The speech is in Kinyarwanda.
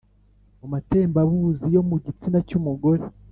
mu matembabuzi yo mu gitsina cy’umugore